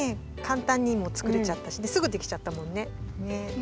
かんたんにもつくれちゃったしすぐできちゃったもんね。